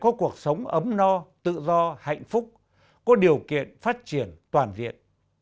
có cuộc sống ấm no tự do hạnh phúc có điều kiện phát triển toàn diện